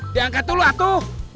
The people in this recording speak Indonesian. diangkat dulu atuh